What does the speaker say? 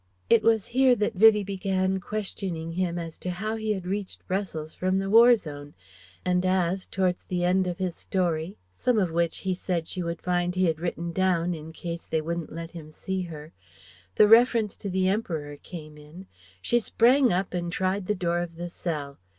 It was here that Vivie began questioning him as to how he had reached Brussels from the War zone; and as, towards the end of his story some of which he said she would find he had written down in case they wouldn't let him see her the reference to the Emperor came in, she sprang up and tried the door of the cell.